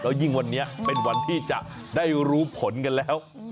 ยิ่งวันนี้เป็นวันที่จะได้รู้ผลกันแล้ว